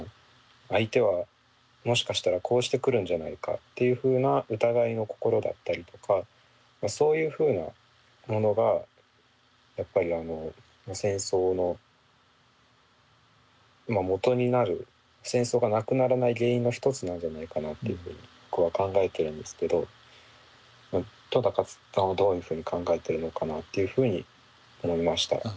相手はもしかしたらこうしてくるんじゃないかっていうふうな疑いの心だったりとかそういうふうなものがやっぱり戦争のもとになる戦争がなくならない原因の一つなんじゃないかなっていうふうに僕は考えてるんですけど戸さんはどういうふうに考えてるのかなっていうふうに思いました。